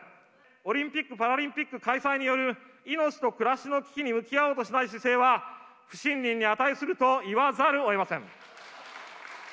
オリンピック・パラリンピック開催による命と暮らしの危機に向き合おうとしない姿勢は、不信任に値するといわざるをえません。